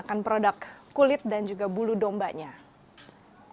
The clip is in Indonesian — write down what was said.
ekspor nya keseluruh dunia terutama kerusi mencapai milyaran dolar amerika per tahun ia